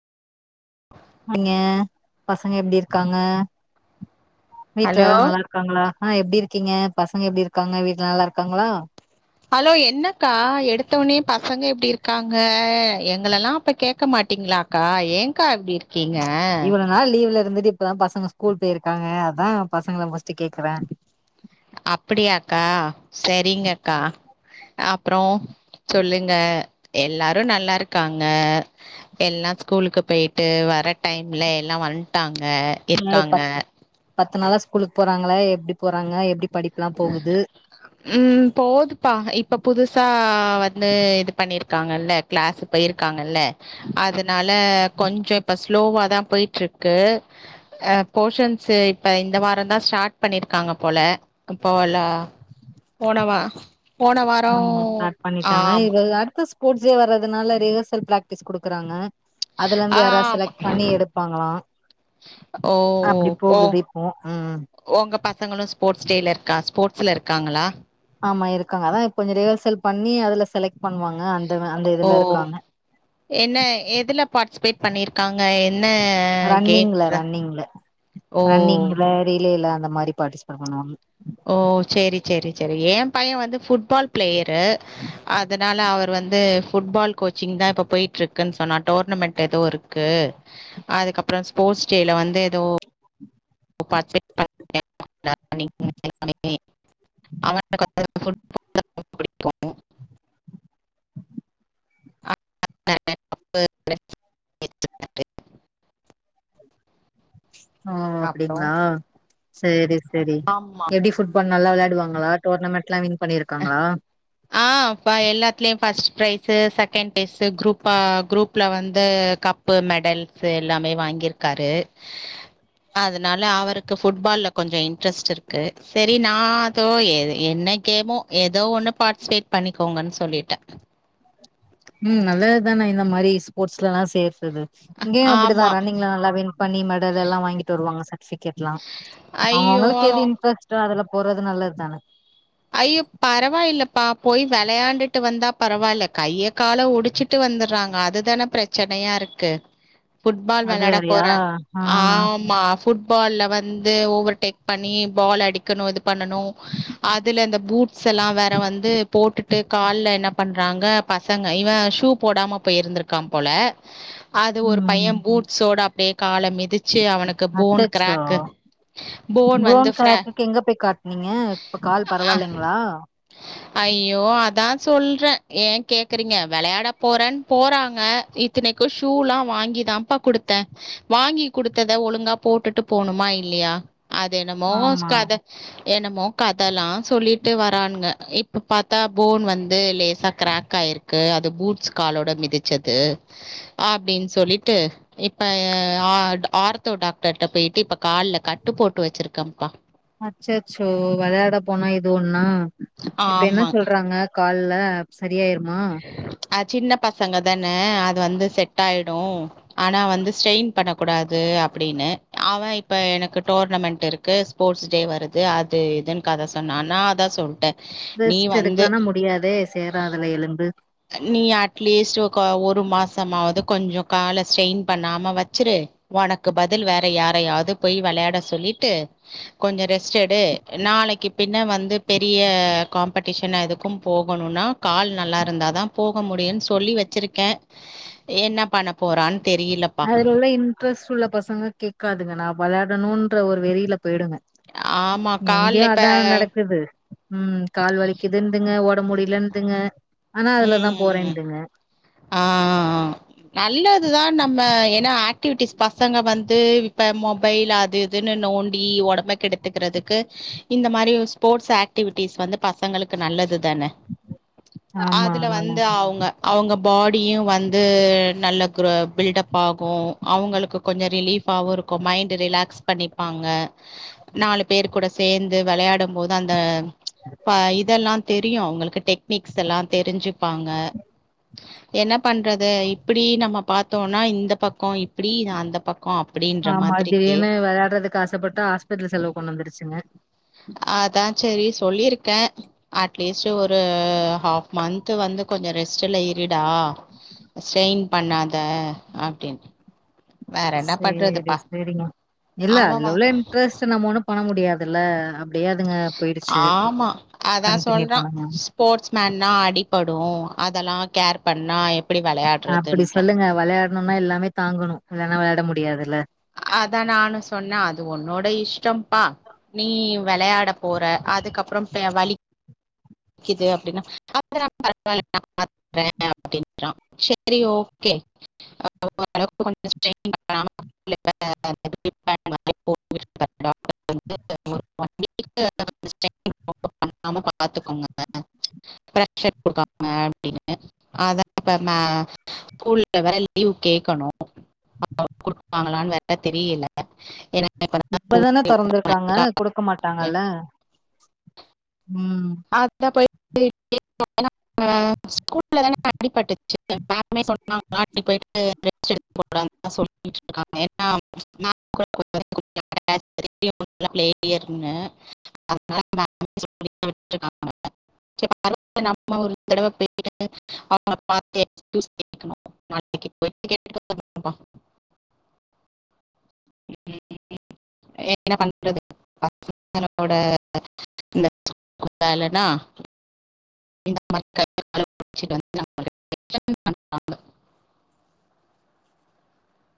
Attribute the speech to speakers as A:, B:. A: அங்க பசங்க எப்டி இருக்காங்க வீட்ல
B: ஹலோ
A: எல்லா நல்லா இருக்காங்களா ஆஹ் எப்டி இருக்கீங்க பசங்க எப்டி இருக்காங்க வீட்ல நல்லா இருக்காங்களா
B: ஹலோ என்னக்கா எடுத்த உடனே பசங்க எப்டி இருக்காங்க எங்கலல்லாம் அப்ப கேட்க மாட் ட்டீங்களாக்கா ஏங்கா இப்டி இருக்கீங்க
A: ச் இவ்ளோ நாள் லீவ்ல இருந்துட் இப்பதா பசங்க ஸ்கூல் போயிருக்காங்க அதான் பசங்கள ஃபஸ்ட் கேக்கறே
B: அப்படியாக்கா சரிங்க அக்கா அப்றோம் சொல்லுங்க எல்லாரும் நல்லா இருக்காங்க எல்லாம் ஸ்கூலுக்கு போயிட்டு வர டைம்ல எல்லா வந்ட்டாங்க இருக்காங்க
A: இத்தன நாளா ஸ்கூலுக்கு போறாங்களா எப்டி போறாங்க எப்டி படிப்புளாம் போகுது
B: ம் போதுப்பா இப்ப புதுசா வந்து இது பண்ணிரு காங்கல கிளாஸ் பொயிருக்காங்கல அதனால கொஞ்சோ இப்ப ஸ்லோவா தா பொய்ட்டுருக்கு அ போஷன்ஸ் இப்ப இந்த வாரோதா ஸ்டாட் பண்ணிருகாங்க போல அப்போலா போனவா
A: ஆமா ஸ்டாட் பண்ணிட்டாங்க [unintelligible] அடுத்த ஸ்போட்ஸ் டே வரதுனால ரிஹர்சல் பிராக்டிஸ் குடுக்குறாங்க அதுலந்து யாராது
B: ஆமா.
A: செலக்ட் பண்ணி எடுப்பாங்களா
B: ஓ
A: அப்டி
B: ஓ ஒ
A: போகுது இப்போ ம்
B: ஒங்க பசங்கலு ஸ்போட்ஸ் டேல இருக்கா ஸ்போட் ஸ் ல இருக்காங்களா
A: ஆமா இருக்காங்க அதா இப்ப கொஞ்சோ ரிஹர்சல் பண்ணி அதுல செலக்ட் பண்ணுவாங்க அந்த அந்த
B: ஓ
A: இதுல இருக்காங்க
B: என்ன எதுல பாட்சிபேட் பண்ணிருக்காங்க
A: ரன்னிங்ல ரன்னிங்ல
B: ஓ
A: ரன்னிங்ல ரிலேல அந்த மாரி பார்ட்டிசிபட் பண்ணுவாங்க
B: ஓ சேரி சேரி சேரி ஏ பையே வந்து ஃபுட்பால் பிளேயரு அதனால அவர் வந்து ஃபுட்பால் கோச்சிங் தா இப்ப பொயிட்ருக்குன்னு சொன்னா டோர்னமெண்ட் எதோ இருக்கு அ துக்கப்றோ ஸ்போட்ஸ் டேல வந்து எதோ [inaudible] [inaudible] [inaudible]
A: ஓ
B: அப்புறம்.
A: அப்டிங்களா சேரி சேரி
B: ஆமா.
A: எப்டி ஃபுட்பால் நல்லா வளயாடுவாங் நலா டோர்னமண்ட்ல வின் பண்ணிருக்காங்களா
B: ஆ ப்ப எல்லாத்லி பஸ்ட் ப்ரைசு செகண்ட் பேசு குரூப்பா குரூப்ல வந்து கப்பு மெடல்ஸ் எல்லாமே வாங்கிருக்காரு அதனால அவருக்கு ஃபுட்பால்ல கொஞ்ச இன்ட்ரெஸ்ட் இருக்கு சேரி நா தோ என்ன கேமோ ஏதோ ஒண்ணு பார்ட்சிபேட் பண்ணிக்கோங்கன் சொல்லிட்டே
A: ம் நல்லதுதான இந்த மாரி ஸ்போர்ட்ஸ்லலா சேர்றது இங்கேயும் அப்படிதா
B: ஆமா
A: ரண்ணிங்ள நல்லா வின் பண்ணி மெடல் எல்லாம் வாங்கிட்டு வருவாங்க சர் சிகட்லா அவங்க
B: ஐயோ
A: அவங்களுக்கு எது இன்ட்ரெஸ்டோ அதுல போறது நல்லது தான
B: ஐயோ பரவாயில்லப்பா போய் விளையாண்டுட்டு வந்தா பரவால்ல கைய கால ஒடிச்சிட்டு வந் வந்துறாங்க அதுதானே பிரச்சனையா இருக்கு ஃபுட்பால்
A: அது
B: வெளாட
A: வேறயா
B: போறன்
A: ஆ
B: ஆமா பால வந்து ஓவெர்டெக் பண்ணி பால் அடிக்கணு இது பண்ணனு அத ல இந்த பூட்ஸ் எல்லா வேற வந்து போட்டுட்டு கால்ல என்ன பண்றாங்க பசங்க இவ ஷூ போடாம போயிருந்திருக்கா போல அது ஒரு பைய
A: ம்
B: பூட்ஸோட அப் கால மிதிச்சு அவனுக்கு போன் கிராக்கு போன் வந்து
A: புரோன்
B: ஃப்ரா
A: கிராக்குக்கு எங்க போய் காட்னீங்க இப்ப கால்
B: அ
A: பரவாயில்லைங்களா
B: ஐயோ அதா சொல்ற ஏ கேக்குறீங்க வெளையாட போறேன்னு போறாங்க இத்தனைக்கு ஷூலா வாங்கிதாப்பா குடுத்த வாங்கி குடுத்தத ஒழுங்கா போட்டுட்டு போணுமா இல்லையா அது என்னமோ
A: ஆமா
B: கத என்னமோ கத் சொல்லிட்டு வரானுங்க இப்ப பாத்தா போன் வந்து லேசா கிராக் ஆயிருக்கு அது பூட்ஸ் காலோட மிதிச்சது அப்டின் சொல்லிட்டு இப்ப ஆ ஆர்த்தோ டாக்டர்ட்ட போயிட்டு இப்ப கால்ல கட்டு போட்டு வச்சிருக்கம்பா
A: அச்சச்சோ வெளையாட போனா இது ஒன்னா இப்ப என்ன
B: ஆமா.
A: சொல்றாங்க கால்ல சரியாயிருமா
B: அ சின்ன பசங்க தான அது வந்து செட் ஆயிடு ஆனா வந்து ஸ்ட்ரெயின் பண்ணக்கூடாது அப்டின்னு அவ இப்ப எனக்கு டோர்னமெண்டட் இருக்கு ஸ்போர்ட்ஸ் டே வருது அது இதுன்னு கத சொன்னா நா அதா சொல்ட்ட நீ
A: ரெஸ்ட்
B: வந்து
A: எடுக்கலனா முடியாதே சேராதுல எலும்பு
B: நீ அட்லீஸ்ட் ஒரு மாசமாவது கொஞ்ச கால ஸ்ட்ரெயின் பண்ணாம வச்சுரு உனக்கு பதில் வேற யாரையாது போய் வெளையாட சொல்லிட்டு கொஞ்ச ரெஸ்ட் எடு நாளைக்கு பின்ன வந்து பெரிய காம்படிஷன் எதுக்கும் போகணும்னா கால் நல்லா இரு இருந்தா தா போக முடியும்னு சொல்லி வச்சிருக்க என்ன பண்ண போறான் தெரிலப்பா
A: அதுல உள்ள இன்ட்ரெஸ்ட் உள்ள பசங்க கேக்காதுங்க நா வெளையாடணுன்ற ஒரு வெறில போயிடுங்க
B: ஆமா
A: எங்கயோ
B: கால்ல இப்ப
A: அதா நடக்குது ம் கால்வலிக்குதுங்க ஒடம்பு முடியலதுங்க ஆனா அதுலதா
B: ம்
A: போறேன்துங்க
B: ஆ ஆ நல்லதுதா நம்ம ஏனா ஆக்டிவிட்டிஸ் பசங்க வந்து இப்ப மொபைல் அது இதுன்னு நோண்டி ஒடம்ப கெடுத்துக்கிறதுக்கு இந்த மாரி ஸ்போர்ட்ஸ் ஆக்டிவிட்டிஸ் வந்து பசங்களுக்கு நல்லது தான
A: ஆமா
B: அதுல
A: நல்லா
B: வந்து
A: இருக்கு.
B: அவங்க அவங்க பாடியு வந்து நல்ல குரோ பில்டப் ஆகு அவங்களுக்கு கொஞ்ச ரிலீஃபாவு இருக்கு மைண்ட ரிலாக்ஸ் பண்ணிப்பாங்க ங்க நாலு பேர் கூட சேந்து விளையாடும் போது அந்த அப்ப இதெல்லா தெரியு அவங்களுக்கு டெக்னிக்ஸ் எல்லா தெரிஞ்சுப்பாங்க என்ன பண்றது இப்டி நம்ம பாத்தோனா இந்த பக்க இப்டி அந்த பக்
A: ஆமா திடிர்னு விளையாடுறதுக்கு ஆசைப்பட்டு ஹாஸ்பத்தல செலவு கொண்டு வந்துடுச்சுங்க
B: அதா ஆ செரி சொல்லிருக்கே அட்லீஸ்ட் ஒரு ஹாஃப் மந்த்து வந்து கொஞ்ச ரெஸ்ட்ல இருடா ஸ்டெய்ன் பண்ணாத அப்டினு
A: சேரி சேரிங்க இல்ல அதுல
B: அவவா
A: உள்ள இன்ட்ரெஸ்ட் நம்ம ஒண்ணு பண்ண முடியாதுல்ல அப்டியே அதுங்க போயிடுச்சு
B: ஆமா அதா
A: கண்டினியூ
B: சொல்றான்
A: பண்ணுங்க
B: ஸ்போர்ட்ஸ்மேன்னா அடி படூம் அதெல்லா கேர் பண்ணா எப்
A: அப்டி சொல்லுங்க வெளையாட்னுனா எல்லாமே தாங்கனு இல்லன்னா வெளையாட முடியாதுல்ல
B: அதா நானு சொன்ன அது உன்னோட இஷ்டம்ப்பா நீ வெளையாட போற அதுக்கப்றோ [unintelligible] வலி க்குது அப்டின்ன [inaudible] அப்டின் சா செரி ஓகே [inaudible] ஹலோ [inaudible] ஸ்டெய்ன் பன்னாம [inaudible] [inaudible] [inaudible] அப்டின்னு அதா [inaudible] ஸ்கூல்ல வேற லீவு கேக்கணு [inaudible] குடுப்பாங்களானு வேற தெரியல எனக்
A: இப்பதான தெறந்துருகாங்க குடுக்க மாட்டாங்கல்ல ம்
B: அதா போயி கேக்கனு [inaudible] ஸ்கூல்ல தான அடிப்பட்டுச்சு [inaudible] [inaudible] டாக்டர் போய்ட்டு ட்ரிப்ஸ் [inaudible] [inaudible] [inaudible] [inaudible] நம்ம ஒரு தடவ போய் அவங்கள பாத்து எக்ஸ்கியூஸ்மீ கேக்கணு [inaudible] என்ன பன்றது [inaudible] [inaudible] லனா [inaudible]